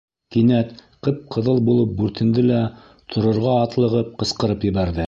Кинәт ҡып-ҡыҙыл булып бүртенде лә, торорға атлығып, ҡысҡырып ебәрҙе: